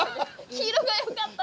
「黄色がよかった！」。